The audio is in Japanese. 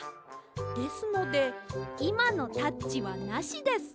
ですのでいまのタッチはなしです。